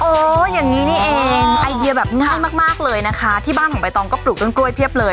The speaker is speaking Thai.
อย่างนี้นี่เองไอเดียแบบง่ายมากมากเลยนะคะที่บ้านของใบตองก็ปลูกต้นกล้วยเพียบเลย